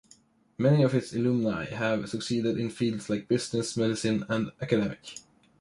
Many of its alumni have succeeded in fields like business, medicine and academic.